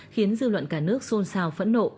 khiến dư luận cả nước xôn xào phẫn nộ